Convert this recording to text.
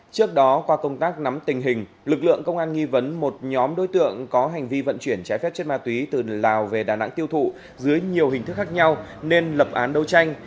trước đó qua công tác nắm tình hình lực lượng công an nghi vấn một nhóm đối tượng có hành vi vận chuyển trái phép chất ma túy từ lào về đà nẵng tiêu thụ dưới nhiều hình thức khác nhau nên lập án đấu tranh